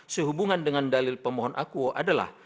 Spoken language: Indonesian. sehubungan dengan dalil pemohon akuo adalah